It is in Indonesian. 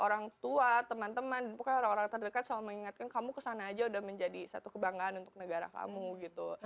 orang tua teman teman pokoknya orang orang terdekat selalu mengingatkan kamu kesana aja udah menjadi satu kebanggaan untuk negara kamu gitu